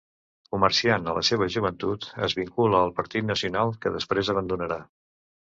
Comerciant a la seva joventut, es vincula al Partit Nacional, que després abandonarà.